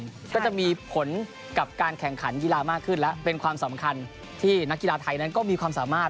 มันก็จะมีผลกับการแข่งขันกีฬามากขึ้นและเป็นความสำคัญที่นักกีฬาไทยนั้นก็มีความสามารถ